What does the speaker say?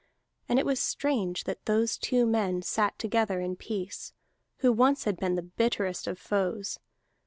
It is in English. And it was strange that those two men sat together in peace, who once had been the bitterest of foes.